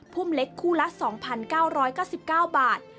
ุ่มเล็กคู่ละ๒๙๙๙บาท